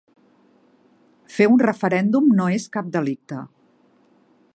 Fer un referèndum no és cap delicte.